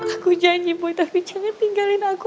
aku janji bu tapi jangan tinggalin aku